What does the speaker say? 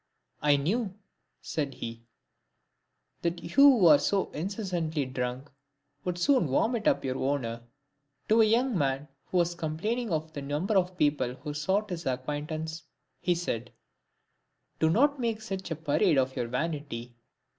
" I knew," said he, " that you who are so incessantly drunk, would soon vomit up your owner." To a young man, who was complaining of the num ber of people who sought his acquaintance, he said, " Do not make such a parade of your vanity."